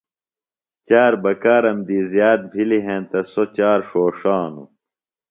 چار بکارم دی زِیات بِھلی ہینتہ سوۡ چار ݜوݜانوۡ۔